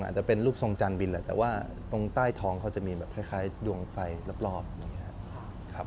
อาจจะเป็นรูปทรงจานบินแหละแต่ว่าตรงใต้ท้องเขาจะมีแบบคล้ายดวงไฟรอบอย่างนี้ครับ